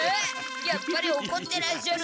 やっぱりおこってらっしゃる。